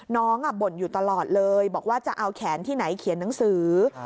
บ่นอยู่ตลอดเลยบอกว่าจะเอาแขนที่ไหนเขียนหนังสือ